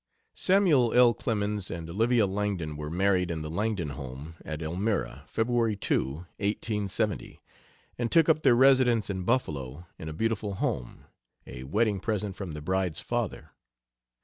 Samuel L. Clemens and Olivia Langdon were married in the Langdon home at Elmira, February 2, 1870, and took up their residence in Buffalo in a beautiful home, a wedding present from the bride's father.